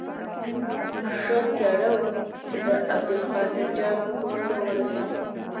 ښه تیاره وه چې د عبدالقاهر جان کور ته ورسېدو.